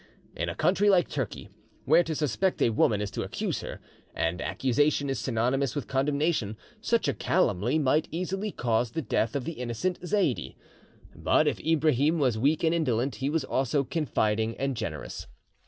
In a country like Turkey, where to suspect a woman is to accuse her, and accusation is synonymous with condemnation, such a calumny might easily cause the death of the innocent Zaidee. But if Ibrahim was weak and indolent, he was also confiding and generous.